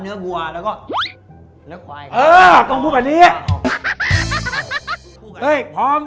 เนื้อวัวแล้วก็เนื้อควายเออต้องพูดแบบนี้เอ้ยพร้อม